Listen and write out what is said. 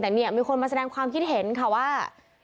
แต่เนี่ยมีคนมาแสดงความคิดเห็นค่ะว่า